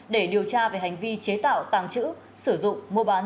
để điều tra về hành vi chế tạo tàng trữ sử dụng mua bán